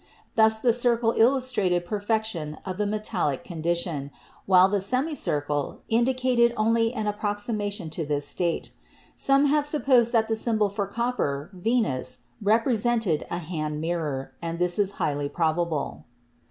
Thus the circle illustrated perfection of the metallic condition, while the semi circle indicated only an approximation to this state. Some have supposed that the symbol for copper, Venus, represented a hand mirror, and this is highly probable.